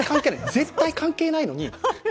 絶対関係ないのに。